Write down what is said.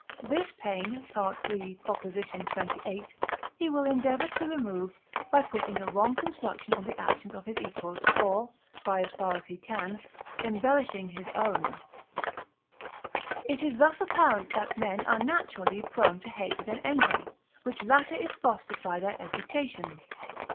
This pain (III. xxviii.) he will endeavour to remove, by putting a wrong construction on the actions of his equals, or by, as far as he can, embellishing his own. It is thus apparent that men are naturally prone to hatred and envy, which latter is fostered by their education.